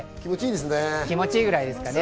気持ちいいぐらいですかね。